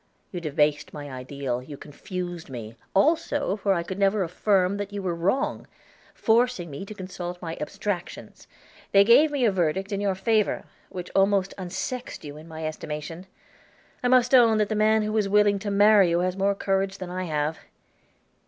You debased my ideal, you confused me, also, for I could never affirm that you were wrong; forcing me to consult abstractions, they gave a verdict in your favor, which almost unsexed you in my estimation. I must own that the man who is willing to marry you has more courage than I have.